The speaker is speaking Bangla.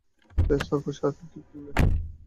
বেশ, তারপর সারাদিন কী করলে?